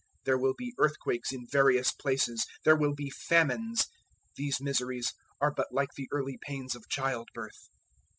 There will be earthquakes in various places; there will be famines. These miseries are but like the early pains of childbirth.